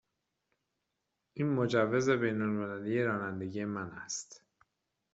این مجوز بین المللی رانندگی من است.